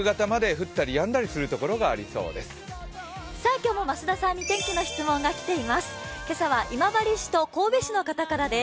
今日も増田さんに天気の質問が来ています。